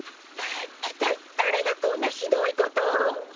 一体誰がこんなひどい事を！！